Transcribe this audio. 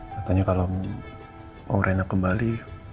katanya kalau mau reyna kembali